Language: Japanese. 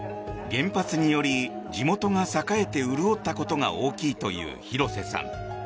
原発により地元が栄えて潤ったことが大きいという廣瀬さん。